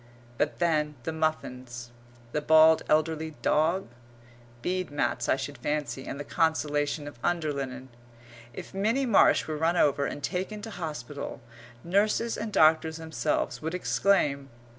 But then the muffins, the bald elderly dog? Bead mats I should fancy and the consolation of underlinen. If Minnie Marsh were run over and taken to hospital, nurses and doctors themselves would exclaim....